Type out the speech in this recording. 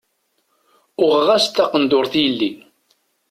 Uɣeɣ-as-d taqendurt i yelli.